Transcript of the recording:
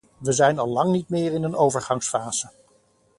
We zijn al lang niet meer in een overgangsfase.